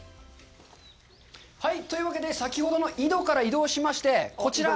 はい、というわけで、先ほどの井戸から移動しまして、こちら。